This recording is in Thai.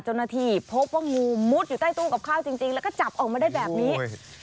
เจ้าหน้าที่พบว่างูมุดอยู่ใต้ตู้กับข้าวจริงแล้วก็จับออกมาได้แบบนี้